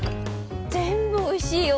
全部おいしいよ。